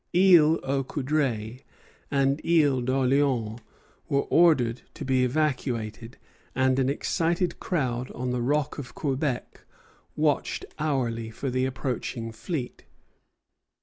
Isle aux Coudres and Isle d'Orléans were ordered to be evacuated, and an excited crowd on the rock of Quebec watched hourly for the approaching fleet.